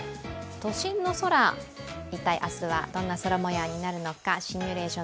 都心の空、一体明日は、どんな空もようになるのか。